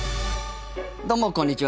どうもこんにちは。